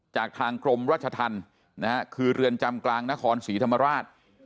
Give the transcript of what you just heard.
จากทางกรมราชธรรมนะฮะคือเรือนจำกลางนครศรีธรรมราช